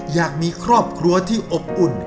อยากมีครอบครัวที่อบอุ่น